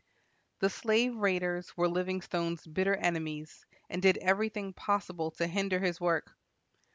The slave raiders were Livingstone's bitter enemies, and did everything possible to hinder his work.